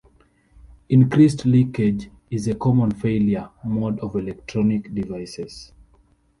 Increased leakage is a common failure mode of electronic devices.